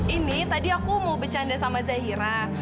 ini tadi aku mau bercanda sama zahira